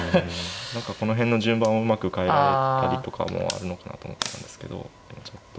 何かこの辺の順番をうまく変えたりとかもあるのかなと思ってたんですけどちょっと。